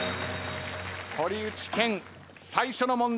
堀内健最初の問題